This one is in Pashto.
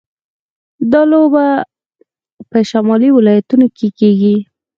دا لوبه په شمالي ولایتونو کې کیږي.